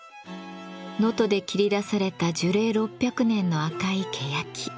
能登で切り出された樹齢６００年の赤いけやき。